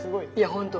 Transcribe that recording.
本当。